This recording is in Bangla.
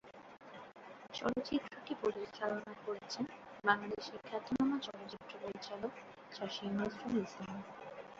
চলচ্চিত্রটি পরিচালনা করেছেন বাংলাদেশের খ্যাতনামা চলচ্চিত্র পরিচালক চাষী নজরুল ইসলাম।